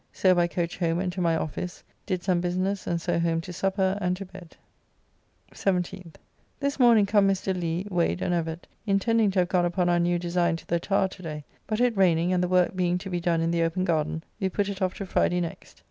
So by coach home and to my office, did some business, and so home to supper and to bed. 17th. This morning come Mr. Lee, Wade, and Evett, intending to have gone upon our new design to the Tower today; but it raining, and the work being to be done in the open garden, we put it off to Friday next.